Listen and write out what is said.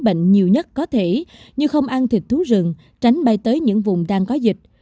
bệnh nhiều nhất có thể như không ăn thịt thú rừng tránh bay tới những vùng đang có dịch